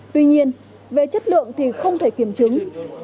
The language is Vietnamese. tuy nhiên về chất lượng thì không thể kiểm chứng